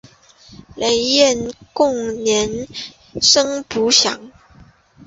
雷彦恭生年不详。